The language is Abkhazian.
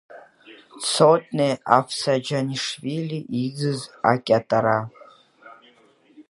Цотне Авсаџьанишвили иӡыз акьатара…